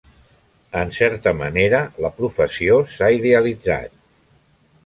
En certa manera, la professió s'ha idealitzat.